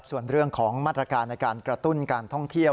ส่วนเรื่องของมาตรการในการกระตุ้นการท่องเที่ยว